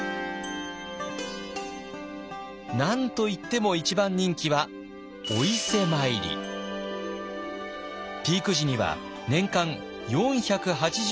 何といっても一番人気はピーク時には年間４８０万人以上。